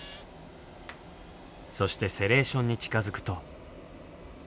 そしてセレーションに近づくと。